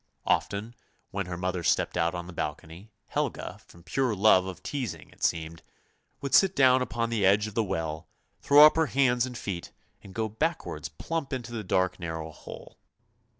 Often when her mother stepped out on to the balcony, Helga, from pure love of teasing it seemed, would sit down upon the edge of the well, throw up her hands and feet, and go backwards plump into the dark narrow hole.